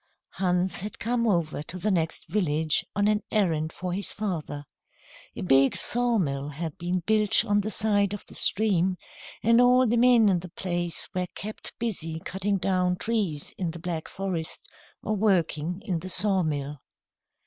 Hans had come over to the next village on an errand for his father. A big sawmill had been built on the side of the stream, and all the men in the place were kept busy cutting down trees in the Black Forest, or working in the sawmill.